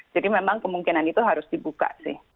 jadi memang kemungkinan itu harus dibuka sih